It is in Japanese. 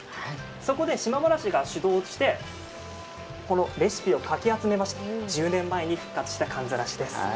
そこで島原市が主導してこのレシピをかき集めまして１０年前に復活したかんざらしです。